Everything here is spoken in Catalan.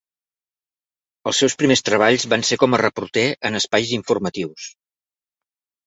Els seus primers treballs van ser com a reporter en espais informatius.